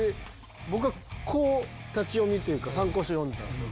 僕がこう立ち読みというか参考書読んでたんすよ。